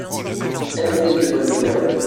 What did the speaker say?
N.-D. de Bonne Nouvelle.